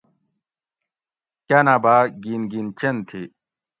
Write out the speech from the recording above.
کاۤناۤ باۤ گِن گِن چین تھی